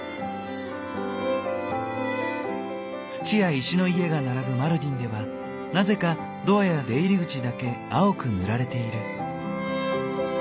土や石の家が並ぶマルディンではなぜかドアや出入り口だけ青く塗られている。